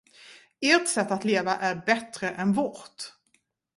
Ert sätt att leva är bättre än vårt.